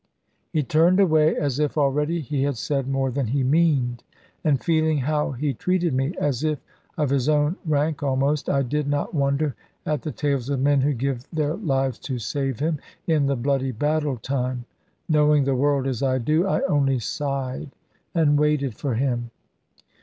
He turned away, as if already he had said more than he meaned; and feeling how he treated me, as if of his own rank almost, I did not wonder at the tales of men who gave their lives to save him, in the bloody battle time. Knowing the world as I do, I only sighed, and waited for him.